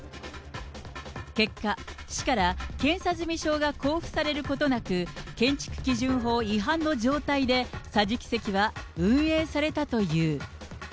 結果、市から検査済証が交付されることなく、建築基準法違反の状態で、桟敷席は運営されたという。